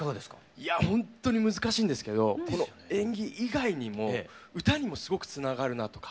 いやほんとに難しいんですけどこの演技以外にも歌にもすごくつながるなとか。